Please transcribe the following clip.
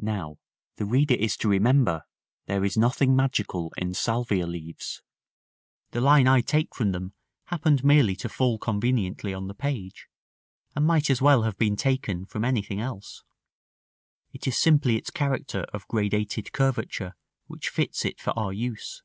[Illustration: Fig. LX.] § XIII. Now, the reader is to remember, there is nothing magical in salvia leaves: the line I take from them happened merely to fall conveniently on the page, and might as well have been taken from anything else; it is simply its character of gradated curvature which fits it for our use.